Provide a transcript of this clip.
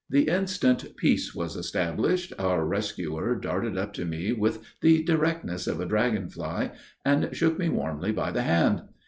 The instant peace was established our rescuer darted up to me with the directness of a dragon fly and shook me warmly by the hand.